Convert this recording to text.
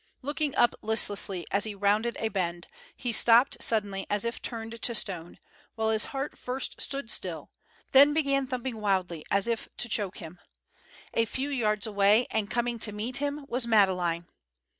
Looking up listlessly as he rounded a bend, he stopped suddenly as if turned to stone, while his heart first stood still, then began thumping wildly as if to choke him. A few yards away and coming to meet him was Madeleine!